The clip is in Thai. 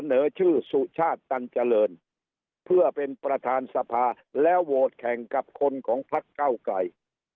เสนอชื่อสุชาติตันเจริญเพื่อเป็นประธานสภาแล้วโหวตแข่งกับคนของพักเก้าไกล